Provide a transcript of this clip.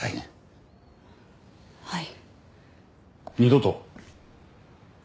はい。